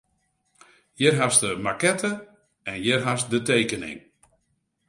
Hjir hast de makette en hjir hast de tekening.